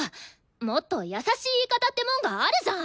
もっと優しい言い方ってもんがあるじゃん！